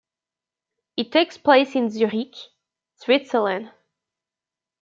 It takes place in Zurich, Switzerland.